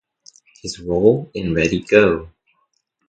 His role in Ready Go!